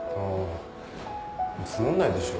積もんないでしょ。